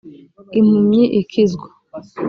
impumyi ikizwa.